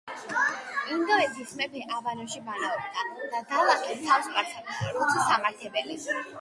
ინდოეთის მეფე აბანოში ბანაობდა და დალაქი თავს პარსავდა. როცა სამართებელი